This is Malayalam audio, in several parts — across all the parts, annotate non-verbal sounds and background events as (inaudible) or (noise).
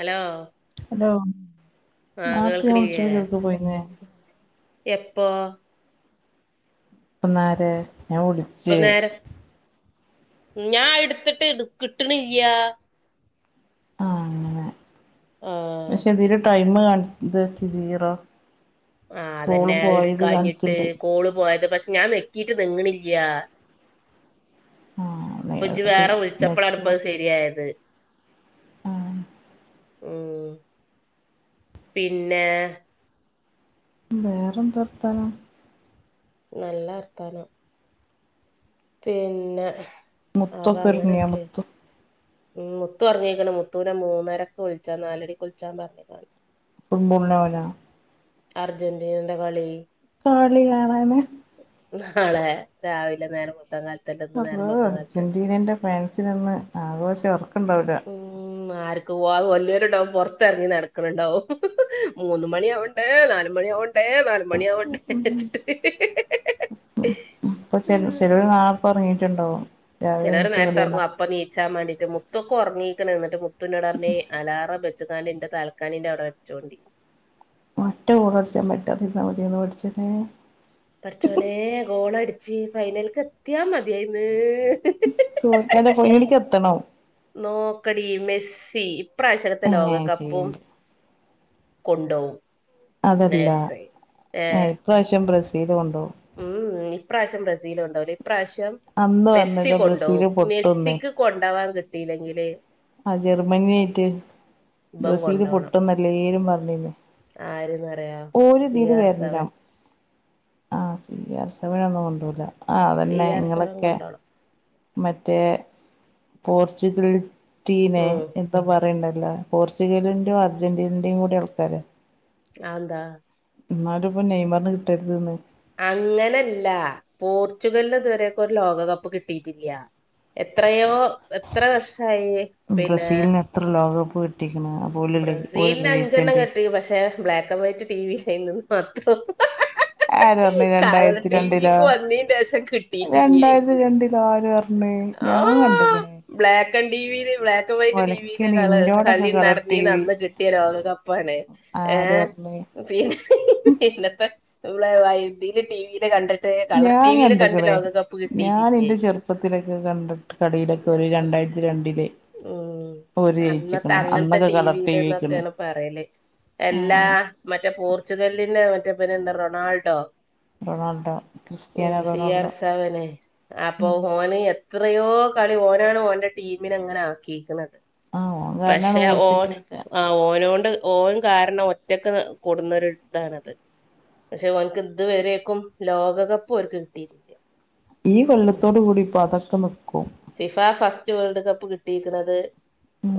അലോ അലോ നാർത്തെ ഞാൻ കേൾക്കണില്ലേ വിളിച്ചപ്പോ ഇജ്ജൊട്ക്കെ പോയിന്നെ എപ്പോ? ഇപ്പന്നാരെ. ഞാൻ ഇപ്പൊ വിളിച്ച് നേരം ഞാൻ ഇട്ത്ത്ട്ട് ട്ക്കിട്ട്ണില്ല്യാ. ആഹ് അങ്ങനെ. ആഹ് പക്ഷെ ഇതില് ടൈമ് കാണ്ച് ഇത് സീറോ ആഹ് കോള് അതന്നെ. പോയത് അത്ഇട്ക്കാഞ്ഞിട്ട് കാണിക്ക്ണ്ട് കോള് പോയത് പക്ഷെ ഞാൻ നെക്കീറ്റ് നെങ്ങിണില്യാ. ആഹ് നേ ഇപ്പ ജജ് അത് വേറെ നെറ്റ് വിളിച്ചപ്പളാണ്പ്പത് ശരിയായത്. ആഹ് ഉം പിന്നെ വേറന്താ വർത്താനം? നല്ല വർത്താനം. പിന്നെ മുത്തു അപ്പൊ ഒക്കൊർങിയാ അങ്ങനൊക്കെ മുത്തു ഉം മുത്തു ഒർങീക്ണ് മുത്തൂനെ മൂന്നരക്ക് വിൾച്ചാ നാലണിക്ക് വിൾച്ചാ പറഞ്ഞ്കാണ്ട്. ഫുഡ്ബോൾനൊവാനൊ? അർജന്റീനന്റെ കളി കളി കാണാന് നാളെ രാവിലെ നേരം വെൾ (unintelligible) അളളാ അർജന്റീനന്റെ ഫാൻസിനിന്ന് ആഘോശ ഉറക്കണ്ടാവൂല ഉം ആർക്ക് പോവ് വല്യരുണ്ടാവും പുറത്തിറങ്ങി നടക്കണണ്ടാവും മൂന്ന് മണിയാവു ഏ നാലല്മണി ആവണ്ടേ നാലുമണി ആവണ്ടേ ഇപ്പൊ ചെലോര് നാർതെ ഉറങ്ങിട്ടുണ്ടാവും ചിലോർ നേർത്തെറങ്ങു അപ്പൊ നീ ചാൻ മാണ്ടിട്ട് മുത്തൊക്കെ ഉറങ്ങീക്ക്ണ് ന്ന്ട് മുത്തുനോടർഞ്ഞ് അലാറം വെച്ച്ങാണ്ടിന്റെ തൽക്കാണിന്റെ അവടെ വച്ചൊണ്ടി ഒറ്റ ഗോളടിച്ചാൻ പറ്റാതിരുന്നാൽ മതിയായിനു പടച്ചോനെ പടച്ചോനെ ഗോളടിച്ച് ഫൈനൽക്കെത്തിയാ മതിയായിന്ന് തോൽ കാതെ ഫൈനലിക്എത്തണം നോക്കടി മെസ്സി ഇപ്രാവശ്യത്തെ ഏഹ് ലോകകപ്പും ചെയ്യണ്ട് കൊണ്ടോവും അതല്ല ഏ ഏഹ് ഇപ്രാവശ്യം ബ്രസീല് കൊണ്ടോവും ഉം ഇപ്രാവശ്യം ബ്രസീൽ കൊണ്ടോവൂല ഇപ്രാവശ്യം അന്ന് മെസ്സി പറഞ്ഞല്ലോ ബ്രസീല് കൊണ്ടോവും പൊട്ടുംന്ന് മെസ്സിക്ക് കൊണ്ടാവാൻ കിട്ടീലെങ്കില് ആ ജർമ്മനി നെറ്റ് ഇബൻ ബ്രസീല് പൊട്ടുന്നല്ലേലുംപറഞ്ഞീന്ന് ആര്ന്നറയാ സി ആർ സവൻ ആ സി ആർ സവനൊന്നും കൊണ്ടോവൂല ആ സി അതന്നെ ആർ സെവൻ ഇങ്ങളൊക്കെ കൊണ്ടോണം മറ്റേ പോർച്ചുഗൽടീനെ ഉം ഇപ്പ പറയണ്ടല്ലോ പോർച്ചുഗലിന്റെയും അർജന്റീനയും കൂടി ആൾക്കാര് ആന്താ എന്നാലും ഇപ്പ നെയ്മർന് കിട്ടരുത്ന്ന് അങ്ങനെല്ല പോർച്ചുഗലിന് ഇതുവരൊക്കും ഒരു ലോകകപ്പ് കിട്ടിയിട്ടില്ല്യ എത്രയോ എത്ര വർഷായി പിന്നെ ബ്രസീലിന് എത്ര ലോകകപ്പ് കിട്ടിക്ണു ബ്രസീലിന് അഞ്ചെണ്ണം കിട്ടി പക്ഷെ black and white T V ഇല്ല്യേന്നുന്ന് മാത്രം ആരെറഞ്ഞു കളർ രണ്ടായിരത്തി ടി രണ്ടിലൊ വിക്ക് വന്നീന്റെ ശേഷം കിട്ടിയിട്ടില്ലേ രണ്ടായിരത്തി രണ്ട് ആര് പറഞ്ഞ് ഞാൻ ആഹ് കണ്ട്ക്ണ് ബ്ലാക്ക് ആൻഡ് ടിവി ല് ബ്ലാക്ക് (unintelligible) വൈറ്റ് ടി വി ല് ഒലക്കാണ് ഇന്നോടൊക്കെ കളി കളർ ടി വി നടന്നീന്നന്ന് കിട്ട്യേ ലോകകപ്പാണ് ആര് ഏയ് പറഞ്ഞ് പിന്നെ പിന്നത്തെ (unintelligible) ടി വി ല് കണ്ട്- ട്ട് കളർ ഞാൻ ടി വി ല് കണ്ട് ലോകകപ്പ് കിട്ടിട്ടില്ല്യേ ഇപ്പത്തിലൊക്കെ കണ്ട് കടയിലൊക്കെ ഒരു നമ്മക്ക് രണ്ടായിരത്തി രണ്ടില് ഉം ഓര് ജയിച്ചിക്ക്ണ് അന്നൊക്കെ കളർ ടി വി അയ്ക്ണ് പറേല് അല്ലാ മറ്റേ പോർച്ചുഗലിന്റെ മറ്റേ പിന്നെ എന്താ റൊണാൾഡോ റൊണാൾഡോ ഉം ക്രിസ്റ്റ്യാനോ സി ആർ റൊണാൾഡോ സെവനെ അപ്പൊ ഓന് എത്രയോ കളി ഓനാണ് ഓന്റെ ടീമിനെ ഇങ്ങനെ ആക്കിക്ക്‌ണത് ആഹ് ഓൻ കാരണാണ് പക്ഷെ ഓൻ പോർച്ചുഗലൊക്കെ ആ ഓനോണ്ട് ഓൻ കാരണം ഒറ്റക്ക് കൊടുന്നൊരു ഇതാണത് പക്ഷെ ഓൻക്ക് ഇതുവരെക്കും ലോകകപ്പ് ഓര്ക്ക് കിട്ടിട്ടില്ല ഈ കൊല്ലത്തോട് കൂടിട്ട് അതൊക്കെ നിക്കും ഫിഫ ഫസ്റ്റ് വേൾഡ് കപ്പ് കിട്ടികണത്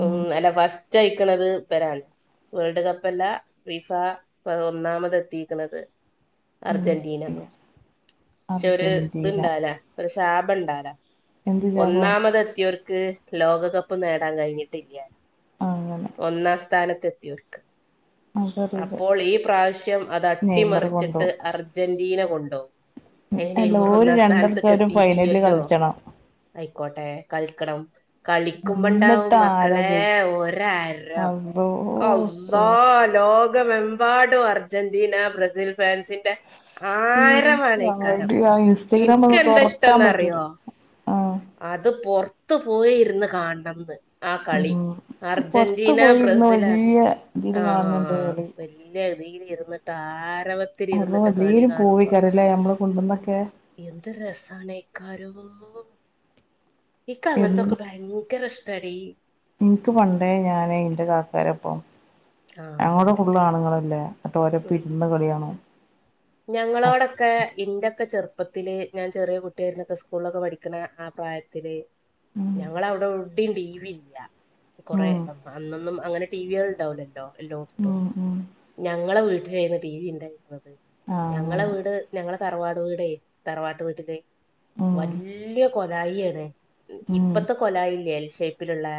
ഉം അല്ല ഫസ്റ്റ് അയ്ക്കണത് ഇബരാണ് വേൾഡ് കപ്പല്ല ഫിഫ ഒന്നാമത് എത്തിക്കണത് അർജന്റീന ബ്രസീല് പക്ഷെ ഒരു അർജന്റീന ഇത്ണ്ടാല ഒരു ശാപം ഇണ്ടാല എന്ത് ജാപം ഒന്നാമതെത്തിയവർക്ക് ലോകകപ്പ് നേടാൻ കഴിഞ്ഞിട്ടില്ല അങ്ങനെ ഒന്നാം സ്ഥാനത്തെത്തിയവർക്ക് അതറിയില്ല അപ്പോൾ ഈ പ്രാവശ്യം അത് നെയ്മർ അട്ടിമറിച്ചിട്ട് കൊണ്ടോവും അർ - ജന്റീന കൊണ്ടോകും അയ്ന് നെയ്മറ് എല്ലോര് ഒന്നാം സ്ഥാനത്ത്ക്ക് രണ്ടാൾക്കാരും ഫൈനലില് എത്തീട്ടില്ലല്ലോ കളിച്ചണം അയ്ക്കോട്ടെ കളിക്കണം കളിക്കുമ്പോണ്ടാകും എന്നിട്ട് ആരാ മക്കളേ ജയിച്ച് ഒരരം അള്ളോ ഓ അല്ലാഹ് ലോകം മെമ്പാടും അർജന്റീന ബ്രസീൽ ഫാൻസിന്റെ ആരവാണേക്കാരം അടി ആ ഇൻസ്റ്റഗ്രാം ഒന്ന് ഇനിക്കെന്താ ഇഷ്ടം തുറക്കാൻ പറ്റൂല എന്നറിയോ ആഹ് അത് പൊറത്ത് പോയിരുന്ന് കാണണംന്ന്. ആ ഉം കളി പൊറത്ത് അർജന്റീന പോയിരുന്ന് ബ്രസിലാ വല്യ ഇതില് ആ കാണുന്നുണ്ട് കളി ഇല്ല ഇരുന്നിട്ട് ആരവത്തിൽ അള്ളോ ഇരുന്നിട്ട് കളി എല്ലേരും കാണുമ്പോ പോവേകാരല്ലേ നമ്മളെ കുന്ന്മ്മെക്കെ എന്ത് രസാണേക്കാരോ ഇക്ക് അങ്ങൻത്തൊക്കെ എന്ന് ഭയങ്കര ഇഷ്ടാ ഡി ഇൻക്ക് പണ്ടേ ഞാനയ്ന്റെ കാക്കാരപ്പം ആ ഞങ്ങളോടെ കണ്ടിട്ട് ഫുള്ളും ആണ്ങ്ങളല്ലേ അപ്പൊ ഓരപ്പം ഉം ഇരുന്ന് കളികാണും ഞങ്ങളോടൊക്കെ ഇന്റെക്കെ ചെറുപ്പത്തിൽ ഞാൻ ചെറ്യേ കുട്ട്യേര്ന്നപ്പൊ സ്കൂളിലൊക്കെ പഠിക്കണ ആ പ്രായ ത്തില് ഉം ഞങ്ങളവടെവെടിം ടി വി ഇല്ല കൊറെ ഉം അന്നൊന്നും അങ്ങനെ ടി വി കൾ ഇണ്ടാവൂലല്ലോ എല്ലോട്ത്തും ഉം ഉം ഞങ്ങളെ വീട്ടിലേന്നു ടി വി ഇണ്ടായിന്നത് ആഹ് ഞങ്ങള അങ്ങനെ വീട് ഞങ്ങളെ തറവാട് വീടെ തറവാട്ട് വീട്ടിൽ ഉം വല്ല്യേ കൊലായി ആണ് ഉം ഇപ്പത്തെ കൊലായി ഇല്ലേ എൽ ഷേപ്പിലുള്ളെ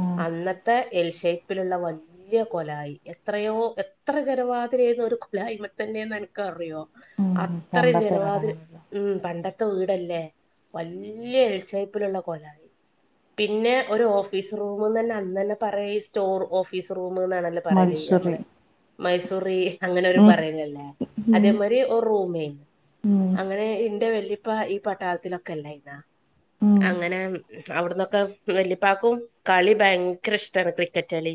ആഹ് അന്നത്തെ എൽ ഷേപ്പില്ള്ള പോലെ ല്ല്യെ കൊലായി എത്രയോ എത്ര ജന വാതിലേന്നു ഒരു കൊലായിമ്മെ തന്നെ അൻക്കറിയോ ഉം അത്രേം പണ്ടത്തെ ജനവാതിൽ കാലങ്ങളില് ഉം പണ്ടത്തെ വീടല്ലേ വല്ല്യെ എൽ ഷേപ്പിലുള്ള കൊലായി പിന്നെ ഒരു ഓഫീസ് റൂമ്ന്ന് തന്നെ അന്നെ പറ്യേ ഈ സ്റ്റോർ ഓഫീസ് റൂമ്ന്നാണല്ലോ പറയലയ്യ മത്സൂറി നമ്മള് മൈസൂറി അങ്ങനെ ഓര് ഉം പറയുലല്ലോ ഉം അതേമാരി ഒരു റൂമെ ഉം അങ്ങനെ ഇന്റെ വല്ലിപ്പ ഈ പട്ടാളത്തിലൊക്കെ അല്ലേയ്ന്നാ ഉം അങ്ങനെ മ് അവിടന്നൊക്കെ വെല്ലിപ്പാക്കും കളി ഭയങ്കര ഇഷ്ടമാണ് ക്രിക്കറ്റ് കളി.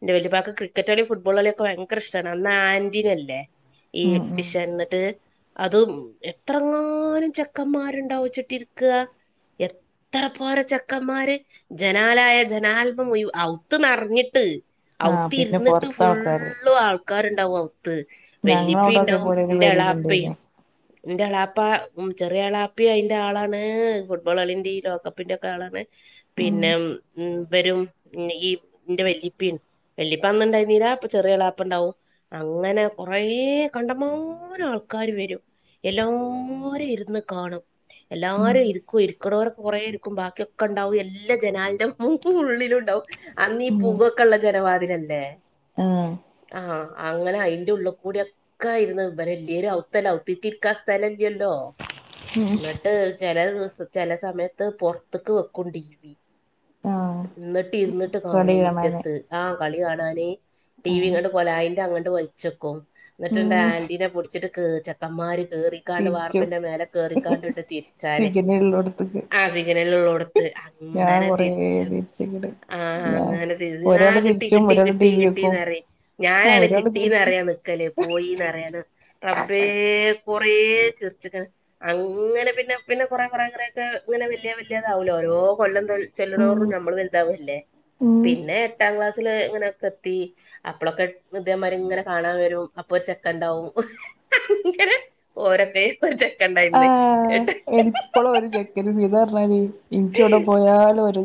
എന്റെ വല്ലിപ്പാക്ക് ക്രിക്കറ്റ് കളീം ഫുട്ബാൾ കളിയൊക്കെ ഭയങ്കരഷ്ടമാണ് അന്ന് ആന്റീ അല്ലേ. ഈ ഉം ഉം വിശ എന്നത് അതും എത്രങ്ങാനും ചെക്കന്മാരുണ്ടാവും ചെട്ടിനിക്ക. എത്ര പോര ചെക്കന്മാരെ ജനാലായ ജനാൽമം മുഴു ഔത്ത് നറഞ്ഞിട്ട്. ആഹ് ഔത്ത് പിന്നെ ഇരുന്നിട്ട് പൊറത്തെ ആൾക്കാര് ഫുള്ളും ആൾക്കാരുണ്ടാവും ഔത്ത്. വല്ലിപ്പി ഞങ്ങളവിടെ ഇതേപോലെ ഒരു വയിലിണ്ടായിനി. എന്റെളാപ്പ ഉം ചെറിയ ആളാപ്പി അയിന്റെ ആളാണേ ഫുട്ബോളാളിന്റെ ഈ ലോകകപ്പിന്റെ ഒക്കെ ആളാണ് ഉം പിന്നെ ഉം വരും ഈന്റെ വല്ലിപിമ്. വെല്ലിപ്പ അന്ന് ഇണ്ടായിന്നില്ല ഇപ്പൊ ചെറിയ ഇളാപ്പ ഉണ്ടാവും അങ്ങനെ കൊറേ കണ്ടമാനം ആൾക്കാര് വരും എല്ലരും ഇരുന്ന് കാണും. ഉം എല്ലാരും ഇരിക്കും ഇരിക്കുന്നവർ കൊറേ ഇരിക്കും ബാക്കിയൊക്കെ ഉണ്ടാവും എല്ലാ ജനാലിന്റെ മൂ ഉള്ളിലും ഉണ്ടാവും. അന്ന് ഇ പുവോകെയുള്ള ജനവാതിലല്ലേ. ആ ആഹ് അങ്ങനെ അയിന്റെ ഉള്ളിൽ കൂടെ ഒക്കായിരുന്നു ഇവരല്ലേരും ഔത്തല്ല ഔത്തി ഇരിക്കാ സ്ഥലല്ലല്ലോ. ഉം എന്നിട്ട് ചില ദിവസ ചില സമയത്ത് പുറത്തക്ക് വെക്കും ടി വി. ആഹ് ന്നിട്ട് ഇരുന്നിട്ട് കളി കാണും കാണാന് മിറ്റത്ത്. ആഹ് കളി കാണാൻ ടി വി ആഹ് ഇങ്ങോട്ട് കൊലായിന്റെ അങ്ങോട്ട് വലിച്ചെക്കും. എന്നിട്ടുണ്ട് ഉം ആന്റീനെ പിടിച്ചിട്ട് കേറി ചെക്കന്മാർ കേറി. കാണ്ട് തിരിച്ചു വാർപ്പിന്റെ മേലെ കേറിക്കാണ്ടിട്ട് തിരിച്ചാന് സിഗ്നല്ള്ളോട്ത്ത്ക്ക് ആ സികനിലോട്. ത് ഞാൻ അങ്ങനെ കൊറേ തിരിച്ചും. തിരിച്ച്ക്ക്ണ് ആഹ് ഞാൻ അങ്ങനെ ത ആ ഒരാള് കിട്ടി തിരിച്ചും കിട്ടി ഒരാള് ടി കിട്ടി വി വെക്കും കിട്ടീന്ന്റി ആഹ് ഞാനാണ് ഒരാള് തിരിച്ചും കിട്ടീന്ന്റിയ. ല്ലേ പോയിന്നറിയാന് റബ്ബേ കൊറേ ചിരിച്ചിക്ണ്. അങ്ങനെ പിന്നെ പിന്നെ കൊറെ കുറേ കുറേതോക്കെ ഇങ്ങനെ വലിയ വലിയതാവല്ലോ ഓരോ കൊല്ലം ഉം ചെല്ലനോടുകൂടി നമ്മളും വലുതാവല്ലേ. ഉം പിന്നെ എട്ടാം ക്ലാസ്സില് ഇങ്ങനോക്കെ എത്തി അപ്പളൊക്കെ ഇതെമാതിരി ഇങ്ങനെ കാണാം വെരും അപ്പൊ ഒര് ചെക്കൻ ഇണ്ടാവും ഇങ്ങനെ ഓരൊക്കെ പട് ആഹ് ഇപ്പളും ഒര് ചെക്കൻ നിദ പറഞ്ഞാല് എൻക് എവിടെ പോയാലും ഒരു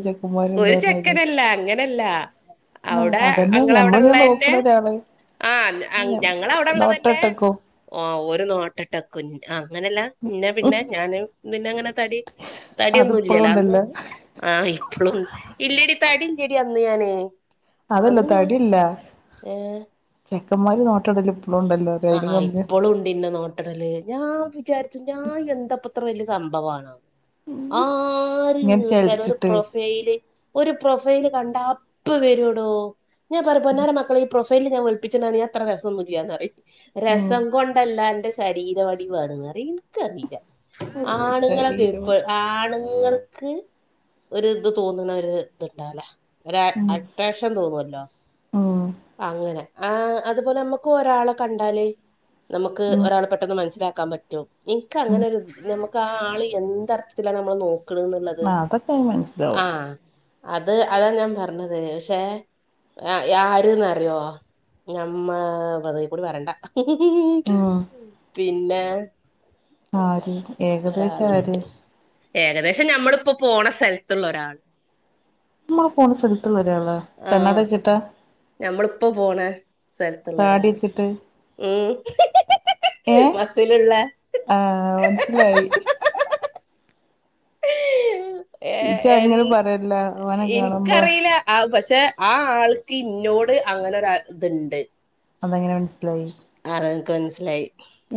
ഒരു ചെക്കനല്ല അങ്ങനല്ല ആഹ് ഔടെ അതന്നെ അങ്ങള ഞമ്മളിങ്ങനെ ഔടെള്ളന്നെ നോക്കണ ഒരാള് ആഹ് ഞങ്ങളെ ഔടെ ഉള്ളത്തക്കെ നോട്ടട്ടക്കും ഓ ഒരു നോട്ടെട്ടകും ആഹ് അങ്ങനെല്ല ഇന്നാ പിന്നെ ഞാന് പിന്നെ അങ്ങനെ തടി തടി അതിപ്പളും ഒന്നുംല്ലല്ലോ അന്ന് ഉണ്ടല്ലോ ആഹ് ഇപ്പളും ഇല്ലടി തടി ഇല്ലടി അന്ന് ഞാന് അതല്ല അന്ന് ഞാൻ തടില്ല ഏ ചെക്കന്മാര് നോട്ടടെല് ഇപ്പളും ഇണ്ടല്ലോ ആഹ് ഹാ ഇപ്പളും ഇണ്ട് ഇന്നെ നോ ട്ടടല് ഞാം വിചാരിച്ചു ഞാൻ എന്താപ്പത്ര വെല്ല്യ സംഭവണോ? ആര് ഇങ്ങനെ ചോയ്ച്ചാലും ഒരു ചലിച്ചിട്ട് പ്രൊ ഫൈല് ഒരു പ്രൊഫൈല് കണ്ടാ അപ്പവരുടോ ഞാൻ പറ പോന്നേര മക്കളെ ഈ പ്രൊ ബൈല് ഞാൻ വെൾപ്പിച്ചതാണ് ഞാൻ ഇത്ര രസം ഒന്നുലാന്ന് അറിം ഉം രസം കൊണ്ടല്ല അന്റെ ശരീരവടിവാണ് ഇൻക്കറീല ആണ്ങ്ങളൊക്കെ ശരീരം ഇപ്പഴ ആണ്ങ്ങൾക്ക് ഒര് ഇത് തോന്ന്ണ ഒരു ഇത്ണ്ടാല ഒരു അട്ട്രേഷൻ തോന്നുല്ലോ ആഹ് അങ്ങനെ ആഹ് അതുപോലെ അമ്മക്ക് ഒരാളെ കണ്ടാല് നമുക്ക് ഉം ഒരാളെ പെട്ടെന്ന് മനസ്സിലാക്കാൻ പറ്റും ഇൻക്ക് ഉം അങ്ങനെ ഒരു നമുക്ക് ആ ആള് എന്താ ത്തില നമ്മളെ നോക്ണ്ന്ന്ള്ളത് അതൊക്കെ മനസ്സിലാവും ആഹ് അത് അതാണ് ഞാൻ പറഞ്ഞത് പക്ഷെ (unintelligible) ന്ത് അറിയൊ ഞാമ്മാ ഇത് കൂടി പറയണ്ട ഉം പിന്നെ ആര് ഏകദേശം ആര് ഒരാളുണ്ട് ഏകദേശം നമ്മള്പ്പോ പോണ സ്ഥലത്തുള്ള ഒരാൾ നമ്മള് പോണ സ്ഥലത്ത്ള്ള ഒരാളെ കണ്ണാട വെച്ച്ട്ടാ ഞമ്മള് പ്പ പോണെ സ്ഥലത്തുള്ള താടി ഒരാള് വെച്ചിട്ട് ഉം ഏ മസ്സില്ള്ളെ ആഹ് മൻസിലായി ഏഹ് ഇജ്ജ് എൻ അങ്ങനെ പറയല്ല ഓനെ കാണുമ്പോ ഇൻക്കറീല ആഹ് പക്ഷെ ആഹ് ആൾക്ക് ഇന്നോട് അങ്ങനെ ഒര് ഇത്ണ്ട് അതെങ്ങനെ മനസ്സിലായി അറാ ഇൻക്ക് മനസ്സിലായി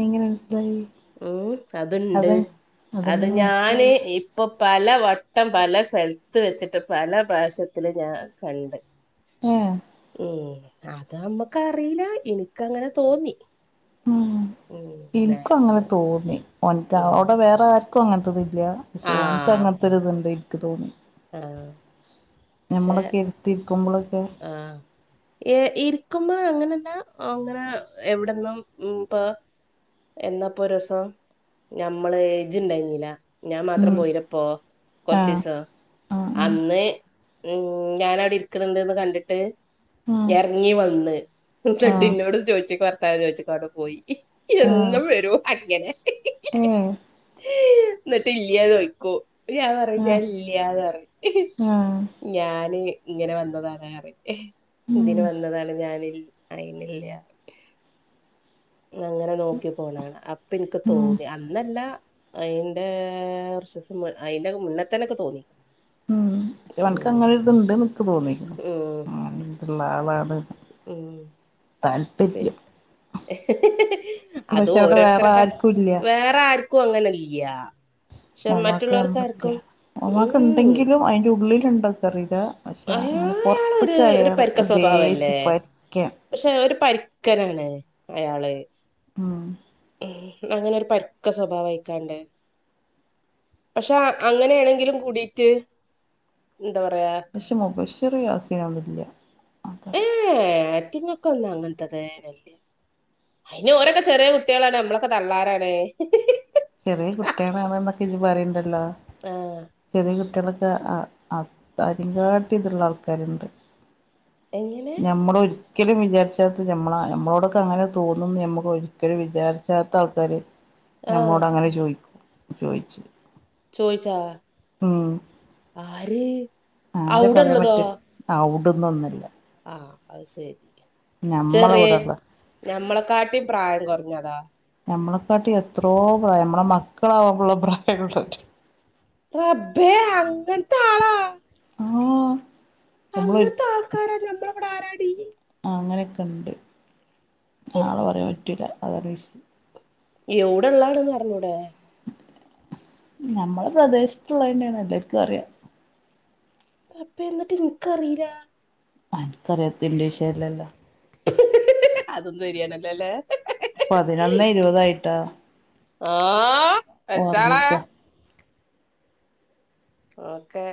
എങ്ങനെ മനസ്സിലായി ഉം അത്ണ്ട് അതെ അത് അതെങ്ങനെ ഞാന് മനസ്സിലായി ഈ ഇപ്പൊ പല വട്ടം പല സെൽത്ത് വെച്ച്ട്ട് പല പ്രാവശ്യത്തില് ഞാൻ കണ്ട് ഏഹ് ഉം അതാ അമ്മക്കറീല ഇൻക്ക് അങ്ങനെ തോന്നി ഉം ഉം ഇൻക്കും അങ്ങനെ നേഴ്സ് തോന്നി ഓൻക്ക് ഉം അവിടെ വേറെ ആരോ ൻക്ക് അങ്ങൻത്തെത് ഇല്ല പക്ഷെ ആ ഓൻക്ക് അങ്ങൻത്തെ ഒരു ഇത്ണ്ട് ഇക്ക് തോന്നി ആ പക്ഷെ ഞമ്മള് ക്കെരിതിക്കുമ്പളൊക്കെ ഏഹ് ഇരിക്കുമ്പോ അങ്ങനെല്ല അങ്ങനെ എവിട്ന്നും ഇപ്പ എന്നാപ്പൊ ഒരീസം ഞമ്മള് ഇജ്ജ് ഇണ്ടായിരിന്നില്ല ഞാൻ മാത്രം ഉം പോയിലപ്പോ ആഹ് കൊർച്ചീസം ആഹ് ആഹ് അന്ന് ഞാന് ഔടെ ഇരിക്ണ്ണ്ണ്ട്ന്ന് കണ്ട്ട്ട് എറങ്ങി വന്ന് ആഹ് ന്നട്ട് ആഹ് ഇന്നോട് ചോയ്ച്ചക്കാ (unintelligible) ചോയ്ച്ചക്കാ ഔടെ പോയി ഇന്ന് ആഹ് വെരോ അങ്ങനെ ഏഹ് ന്നട്ട് ഇല്ല്യാന്ന് യ്ക്കും ഞാൻ പറിം ഞാൻ ആഹ് ഇല്ല്യാന്ന് പറിം ആഹ് ഞാന് ഇങ്ങനെ വന്നതാണ് അറിം ഉം ഇതിന് വന്നതാണ് ഞാന് അയിനില്ല അങ്ങനെ നോക്കി പോണാണ അപ്പൊൻക്ക് ഉം തോന്നി അന്നല്ല അയ്ന്റെ കൊർച്ചീസം മു അയ്ന്റെ മുന്നത്തന്നെ ന്ക് തോന്നി ഉം ഷെ ഓൻക്ക്‌ ഉം, അങ്ങനെ ഇതുണ്ട്ന്ന് ഇൻക്ക്‌ തോന്നിക്ക്‌ണ് ഉം, അങ്ങനെ ത്ള്ളാളാണ് ഉം പി- താല്പര്യം അത് പക്ഷെ അവിടെ വേറെ ഓരോരുത്തരൊക്ക ആർക്കും ഇല്ല വേറാര്ക്കും അങ്ങനെല്യ മൊമ്മാക്ക ഞമ്മളെ ക്ക ഉം മോമാക്കാണ്ടെങ്കിലും അയിന്റെ ഉള്ളിൽണ്ടോ ക്കറീല പക്ഷേ അയാൾ അങ്ങനെ അയാളൊരു ഒരു പൊർത്ത്ക്കെയറ് പരുക്ക ദേശ സ്വഭാവല്ലേ (unintelligible) പക്ഷെ ഒരു പരിക്കനാണ് അയാള് ഉം ഉം അങ്ങനെ ഒരു പര്ക്ക സ്വഭാവായിക്കാണ്ട് പക്ഷെ അങ്ങനെണെങ്കിലും കൂടിട്ട് എന്താ പറയാ പക്ഷെ മുബഷിറേം യാസീനൊന്നുല്ല അതറിയാം ഏ ഏ അയ്റ്റിങ്ങക്കൊന്നും അങ്ങൻത്തെതെ നില്ലാ അയ്ന് ഓരൊക്കെ ചെറിയ കുട്ട്യാളാണ് നമ്മളൊക്കെ തള്ളാരാണ് ചെറിയ കുട്ടിളാണ്ന്നൊക്കെ ഇജ് പറയ്ണ്ടല്ലോ ആ ചെറിയ കുട്ട്യാളൊക്കെ അ അ അതിന്കാട്ടിം ത്ള്ള ആൾക്കാര്ണ്ട് എങ്ങനെ ഞമ്മളൊര് രിക്കലും വിചാരിച്ചാത്ത ഞമ്മളാ ഞമ്മളോടൊക്കെ അങ്ങനെ തോന്നുംന്ന് ഞമ്മക്ക് ഒരിക്കലും വിചാരിച്ചാത്താൾക്കാര് ആഹ് ഞമ്മോട്ങ്ങനെ ചോയ്ക്കും ചോയ്ച്ച് ചോയ്ച്ചോ ആര് അവടെള്ളതോ അവ്ടുന്നൊന്നല്ല ആ അത് സെരി ഞമ്മള ചെറിയെ ഇവിടെള്ള ഞമ്മളെക്കാട്ടും പ്രായം കൊർഞ്ഞതോ ഞമ്മളെക്കാട്ടി എത്രോ പ്രായ ഞമ്മളെ മക്കളാവാള്ള പ്രായ (unintelligible) റബ്ബേ അങ്ങൻത്താളാ അ ഓ അങ്ങൻത്തെ ആൾക്കാരാ ഞമ്മളവടെ ആരാടീ ആ അങ്ങനെക്കെ ണ്ട് ആളെ പറയാൻ പറ്റൂല്ല അതറി എവിടെള്ളതാന്നർഞ്ഞൂടെ ഞമ്മളെ പ്രദേശത്ത്ള്ളതെന്നെണ് എല്ലർക്കറിയാ റബ്ബേ ന്ന്ട്ട് ഇൻക്കറില്ല അൻക്കറിയാത്തത് ന്റെ വിഷയല്ലല്ലോ അതും സെരിയാണല്ലോ ല്ലേ പതിനൊന്നേ ഇരുപതായിട്ടൊ ആ വെച്ചാളെ ഒറങ്ങിക്ക ഓക്കെ